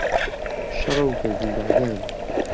شەڕە و گەردن بادانە